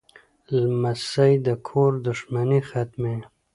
لمسی د کور دښمنۍ ختموي.